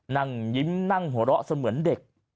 นั่งยิ้มนั่งหัวเราะเสมือนเด็ก